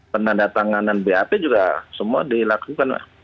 penandatangan dan bap juga semua dilakukan